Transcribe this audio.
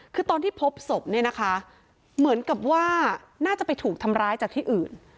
คือตอนที่พบศพเนี่ยนะคะเหมือนกับว่าน่าจะไปถูกทำร้ายจากที่อื่น